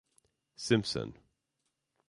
Simpson.